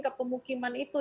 ke pemukiman itu